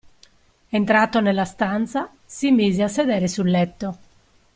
Entrato nella stanza si mise a sedere sul letto.